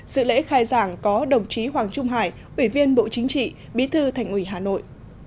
dự lễ khai giảng có đồng chí hoàng trung hải ủy viên bộ chính trị bí thư thành ủy hà nội